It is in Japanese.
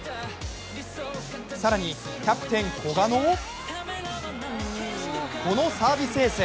更に、キャプテン古賀のこのサービスエース。